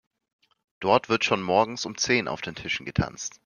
Dort wird schon morgens um zehn auf den Tischen getanzt.